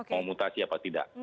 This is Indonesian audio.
mau mutasi apa tidak